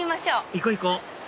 行こう行こう！